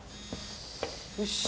よし。